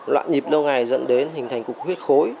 loạn nhịp lâu ngày dẫn đến hình thành cục huyết khối